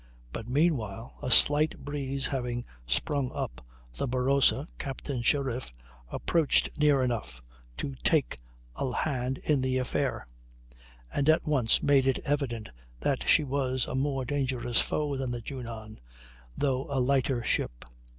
But meanwhile, a slight breeze having sprung up, the Barossa, Captain Sherriff, approached near enough to take a hand in the affair, and at once made it evident that she was a more dangerous foe than the Junon, though a lighter ship.